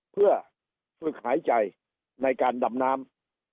เพื่อฝึกหายใจในการดำน้ำ